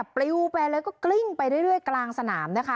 ปลิวไปแล้วก็กลิ้งไปเรื่อยกลางสนามนะคะ